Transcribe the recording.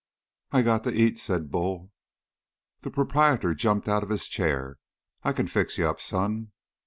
"I got to eat," said Bull. The proprietor jumped out of his chair. "I can fix you up, son."